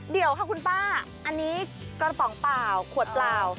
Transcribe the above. เดี๋ยวค่ะคุณป้าอันนี้กระป๋องเปล่าขวดเปล่า